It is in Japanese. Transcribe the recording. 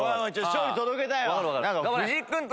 勝利届けたいわ。